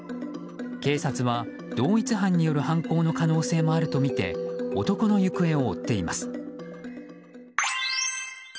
警察は同一犯による犯行の可能性もあるとみて男の行方を追っています。